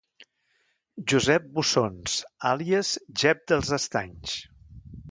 Josep Bussons, àlies Jep dels Estanys.